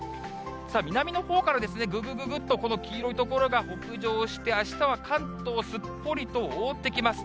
南のほうから、ぐぐぐぐっと、この黄色い所が北上して、あしたは関東すっぽりと覆ってきます。